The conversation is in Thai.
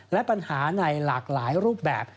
และปัญหาในหลากหลายรูปแบบ